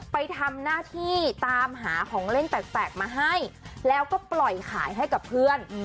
ไปทำหน้าที่ตามหาของเล่นแปลกมาให้แล้วก็ปล่อยขายให้กับเพื่อน